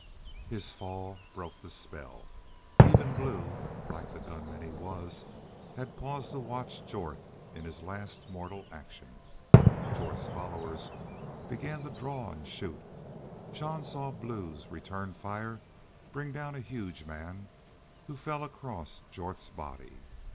His fall broke the spell. Even Blue, like the gunman he was, had paused to watch Jorth in his last mortal action. Jorth's followers began to draw and shoot. Jean saw Blue's return fire bring down a huge man, who fell across Jorth's body.